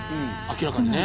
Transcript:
明らかにね。